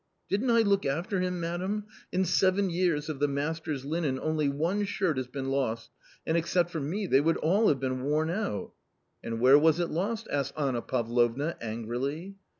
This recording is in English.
" Didn't I look after him, madam ? In seven years of the master's linen only one shirt has been lost, and except for me they would all have been worn out." "And where was it lost?" asked Anna Pavlovna angrily.